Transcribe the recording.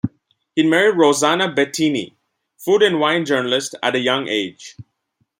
He married Rossana Bettini, food and wine journalist, at a young age.